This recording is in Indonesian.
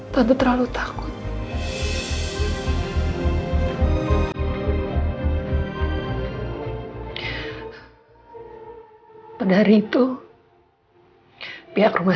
tante terlalu lama berpikir dan